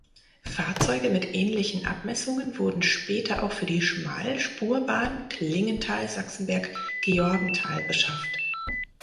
Fahrzeuge mit ähnlichen Abmessungen wurden später auch für die Schmalspurbahn Klingenthal–Sachsenberg-Georgenthal beschafft.